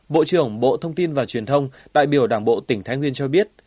bộ trưởng bộ thông tin và truyền thông đại biểu đảng bộ tỉnh thái nguyên cho biết